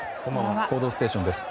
「報道ステーション」です。